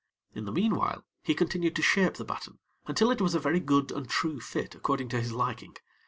In the meanwhile, he continued to shape the batten until it was a very good and true fit according to his liking.